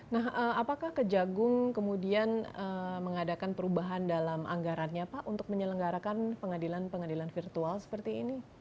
nah apakah kejagung kemudian mengadakan perubahan dalam anggarannya pak untuk menyelenggarakan pengadilan pengadilan virtual seperti ini